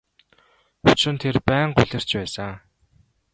Учир нь тэр байнга улирч байсан.